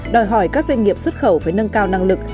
đòi hỏi các doanh nghiệp xuất khẩu phải nâng cao năng lực